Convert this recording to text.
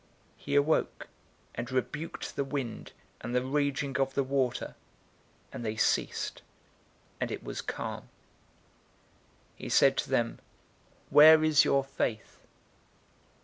He awoke, and rebuked the wind and the raging of the water, and they ceased, and it was calm. 008:025 He said to them, "Where is your faith?"